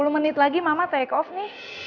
sepuluh menit lagi mama take off nih